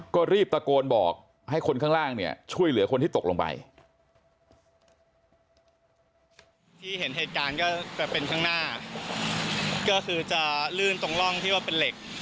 ก็คือจะลื่นตรงร่องที่ที่ว่าเป็นเหล็ก